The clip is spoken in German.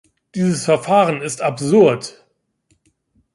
Dieses Verfahren ist absurd!